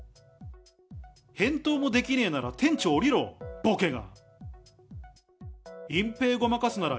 返答もできねーなら店長おりろ、ぼけが。